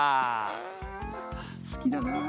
あ好きだなあ。